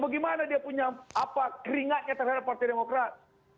bagaimana dia punya apa keringatnya terhadap partai demokrat